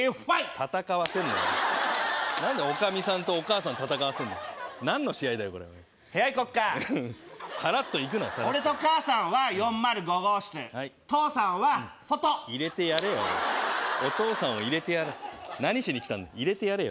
戦わせんな何で女将さんとお母さんを戦わせるの何の試合だよこれは部屋行こっかサラッといくなサラッと俺と母さんは４０５号室はい父さんは外入れてやれよお父さんを入れてやれ何しに来たんだ入れてやれよ